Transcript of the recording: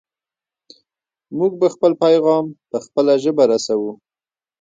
موږ به خپل پیغام په خپله ژبه رسوو.